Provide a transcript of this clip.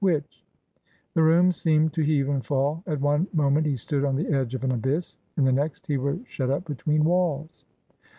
Which ? The room seemed to heave and fall. At one moment he stood on the edge of an abyss ; in the next he was shut up between walls.